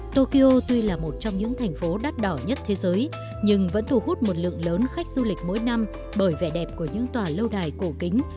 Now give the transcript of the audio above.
tokyo tuy là một trong những thành phố đắt đỏ nhất thế giới nhưng vẫn thu hút một lượng lớn khách du lịch mỗi năm bởi vẻ đẹp của những tòa lâu đài cổ kính